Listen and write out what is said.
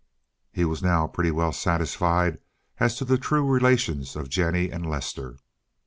He was now pretty well satisfied as to the true relations of Jennie and Lester.